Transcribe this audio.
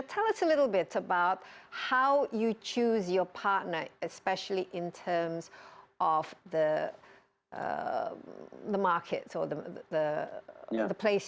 beritahukan sedikit tentang bagaimana anda memilih partner anda terutama dalam hal perusahaan atau tempat